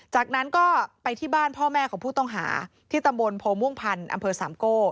จากนั้นก็ไปที่บ้านพ่อแม่ของผู้ต้องหาที่ตำบลโพม่วงพันธ์อำเภอสามโก้